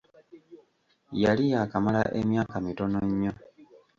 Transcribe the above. Yali yaakamala emyaka mitono nnyo.